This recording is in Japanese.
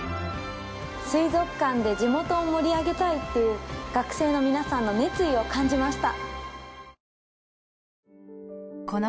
水族館で地元を盛り上げたいっていう学生の皆さんの熱意を感じました